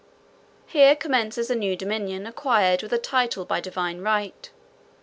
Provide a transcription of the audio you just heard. Here commences a new dominion acquired with a title by divine right.